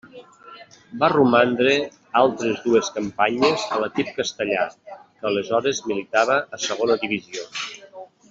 Va romandre altres dues campanyes a l'equip castellà, que aleshores militava a Segona Divisió.